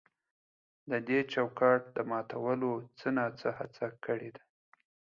د دې چوکاټ د ماتولو څه نا څه هڅه کړې ده.